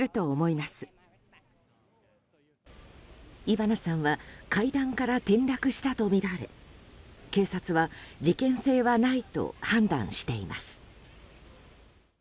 イバナさんは階段から転落したとみられ警察は事件性はないと判断しています。